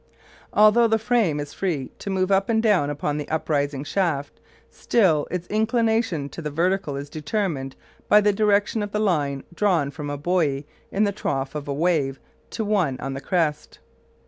Although the frame is free to move up and down upon the uprising shaft, still its inclination to the vertical is determined by the direction of the line drawn from a buoy in the trough of a wave to one on the crest.